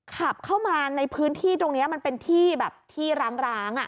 ขับเข้ามาในพื้นที่ตรงนี้มันเป็นที่แบบที่ร้าง